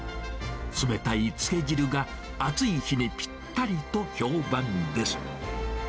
冷たいつけ汁が暑い日にぴったりと評判です。